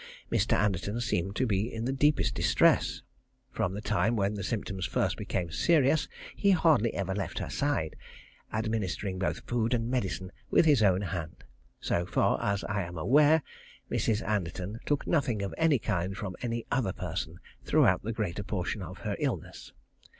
Mr. Anderton seemed to be in the deepest distress. From the time when the symptoms first became serious, he hardly ever left her side, administering both food and medicine with his own hand. So far as I am aware, Mrs. Anderton took nothing of any kind from any other person throughout the greater portion of her illness.